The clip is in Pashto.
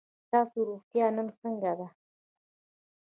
ستاسو روغتیا نن څنګه ده؟